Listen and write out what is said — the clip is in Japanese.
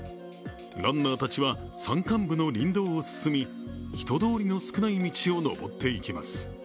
ランナーたちは山間部の林道を進み、人通りの少ない道を登っていきます。